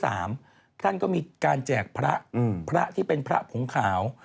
ท่านก็มีการแจกพระพระที่เป็นพระผงขาว